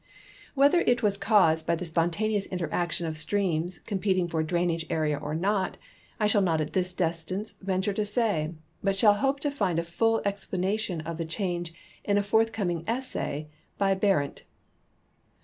Whether it was caused by the spontaneous interaction of streams com peting for drainage area or not, I shall not at this distance ven ture to say, but shall hope to find a full explanation of the change in a forthcoming essay by Berendt.